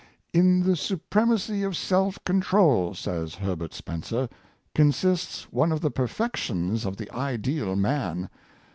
"In the supremacy of self control," says Herbert Spencer, *' consists one of the perfections of the ideal man.